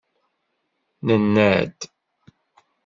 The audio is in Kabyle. Nenna-d.